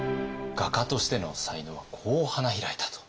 画家としての才能はこう花開いたと。